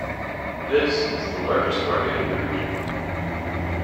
This is the largest market in the region.